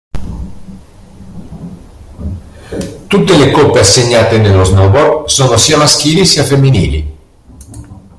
Tutte le coppe assegnate nello snowboard sono sia maschili sia femminili.